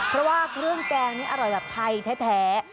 เพราะว่ากล้องแกงอร่อยแบบไทยแท้